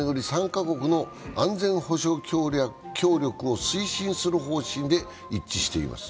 ３カ国の安全保障協力を推進する方針で一致しています。